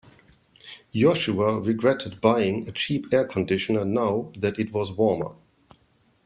Joshua regretted buying a cheap air conditioner now that it was warmer.